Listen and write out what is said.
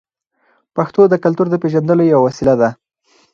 پښتو د کلتور د پیژندلو یوه وسیله ده.